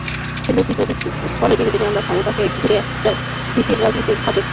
ফলে দিনে দিনে আমরা ক্ষমতাকে ঘিরে এক ভীতির রাজনীতির ফাঁদে আটকে যাচ্ছি।